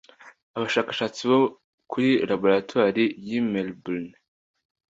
Abashakashatsi bo kuri laboratoire y'i Melbourne